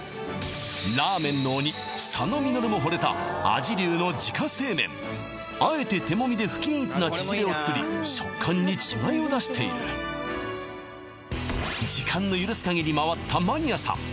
ラーメンの鬼佐野実もほれた味龍の自家製麺あえて手もみで不均一な縮れを作り食感に違いを出している時間の許すかぎり回ったマニアさん